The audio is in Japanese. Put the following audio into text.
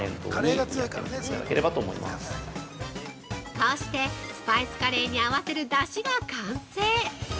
◆こうして、スパイスカレーに合わせる出汁が完成。